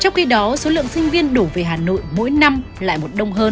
trong khi đó số lượng sinh viên đổ về hà nội mỗi năm lại một đông hơn